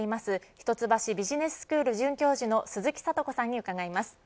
一橋ビジネススクール准教授の鈴木智子さんに伺います。